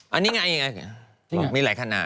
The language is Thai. อันนี้ไงมีหลายขนาด